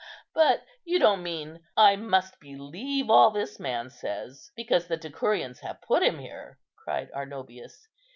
"But you don't mean I must believe all this man says, because the decurions have put him here?" cried Arnobius.